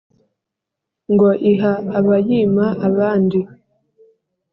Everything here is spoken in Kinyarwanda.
ngo:« iha aba yima abandi.»